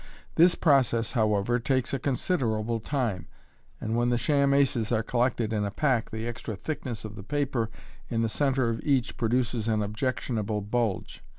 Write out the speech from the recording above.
This process, however, takes a considerable time j and, when the sham aces are collected in a pack, the extra thickness of the paper in the centre of each produces an objectionable bulge.